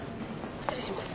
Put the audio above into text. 失礼します。